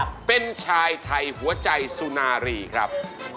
หรือ๒เป็นชายไทยหัวใจซุนาหลีครับ